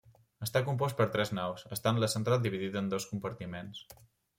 Està compost per tres naus, estant la central dividida en dos compartiments.